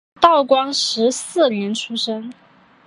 道光十四年出生。